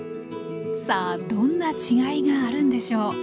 さあどんな違いがあるんでしょう。